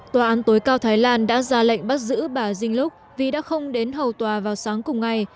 tòa án tối cao thái lan đã ra lệnh bắt giữ bà jing lux vì đã không đến hầu tòa vào sáng cùng ngày